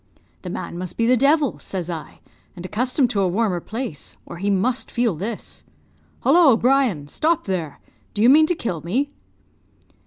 "'The man must be the devil!' says I, 'and accustomed to a warmer place, or he must feel this. Hollo, Brian! Stop there! Do you mean to kill me?'